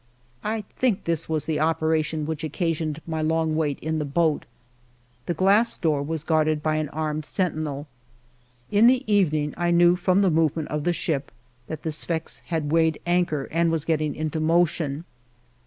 (I think it was this operation which occasioned my long wait in the boat.) The glass door was guarded by an armed sentinel. In the evening I knew from the move 296 FIVE YEAP.S OF MY LIFE ment of the ship that the Sfax had weighed anchor and was getting into motion.